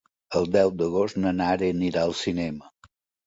El deu d'agost na Nara anirà al cinema.